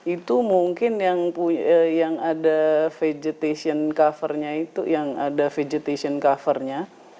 itu mungkin yang ada vegetation cover nya itu yang ada vegetation cover nya